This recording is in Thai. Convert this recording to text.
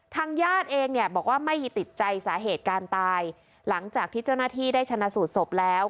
ทางญาติเองเนี่ยบอกว่าไม่ติดใจสาเหตุการตายหลังจากที่เจ้าหน้าที่ได้ชนะสูตรศพแล้ว